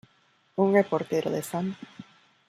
Un reportero de St.